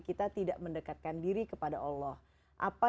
kita akan lanjutkan sesaat lagi